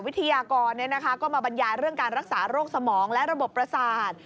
วิทยากรก็มาบรรยายเรื่องการรักษาโรคสมองและระบบประสาท